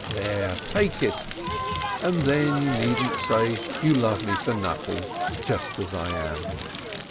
There, take it, and then you needn't say you love me for nothing, just as I am."